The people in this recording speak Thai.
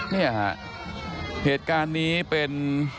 เนี่ยฮะเหตุการณ์นี้เป็น